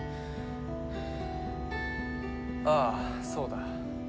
ああそうだ。